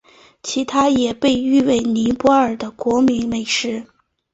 其也被誉为尼泊尔的国民美食。